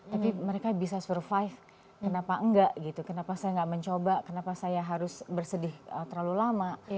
tapi mereka bisa survive kenapa enggak gitu kenapa saya nggak mencoba kenapa saya harus bersedih terlalu lama